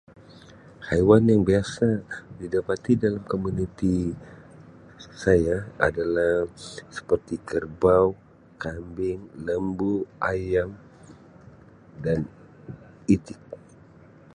Haiwan yang biasa didapati dalam komuniti saya adalah seperti kerbau, kambing, lembu, ayam dan itik.